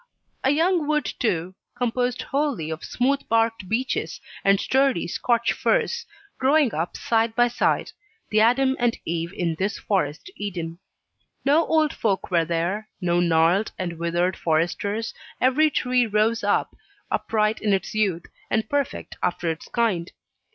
A young wood, too composed wholly of smooth barked beeches and sturdy Scotch firs, growing up side by side the Adam and Eve in this forest Eden. No old folk were there no gnarled and withered foresters every tree rose up, upright in its youth, and perfect after its kind.